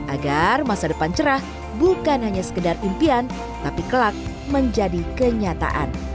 agar masa depan cerah bukan hanya sekedar impian tapi kelak menjadi kenyataan